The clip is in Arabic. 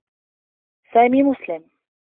سامي مسلم.